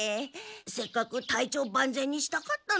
せっかく体調万全にしたかったのに。